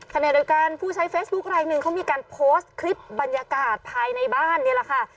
ขณะเดียวกันผู้ใช้เฟซบุ๊คไลนึงเขามีการโพสต์คลิปบรรยากาศภายในบ้านนี่แหละค่ะ